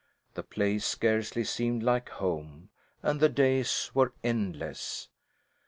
The place scarcely seemed like home, and the days were endless.